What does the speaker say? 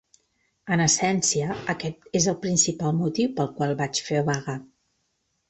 En essència, aquest és el principal motiu pel qual vaig fer vaga.